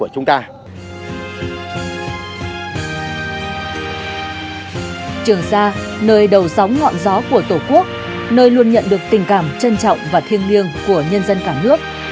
trường sa nơi đầu sóng ngọn gió của tổ quốc nơi luôn nhận được tình cảm trân trọng và thiêng liêng của nhân dân cả nước